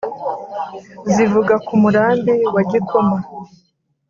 zivuga ku murambi wa gikoma